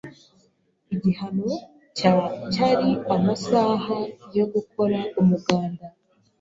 Igihano cya cyari amasaha yo gukora umuganda.